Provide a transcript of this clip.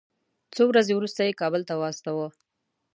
څو ورځې وروسته یې کابل ته واستاوه.